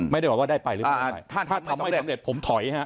ไม่ได้บอกว่าได้ไปหรือไม่ได้ถ้าทำไม่สำเร็จผมถอยฮะ